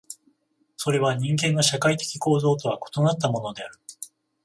それは人間の社会的構造とは異なったものである。